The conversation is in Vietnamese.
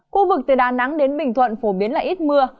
khu vực từ đà nẵng đến bình thuận phổ biến là ít mưa